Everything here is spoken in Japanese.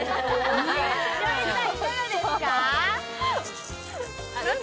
栞里さん、いかがですか。